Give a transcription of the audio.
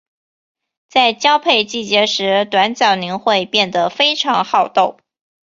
在交配季节时短角羚会变得非常好斗。